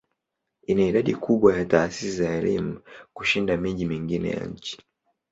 Ina idadi kubwa ya taasisi za elimu kushinda miji mingine ya nchi.